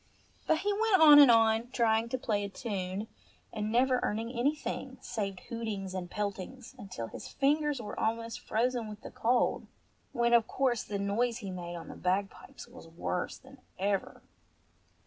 But he went on and on, trying to play a tune, and never earning anything, save hootings and peltings, until his fingers were almost frozen with the cold, when of course the noise he made on the bagpipes was worse than ever.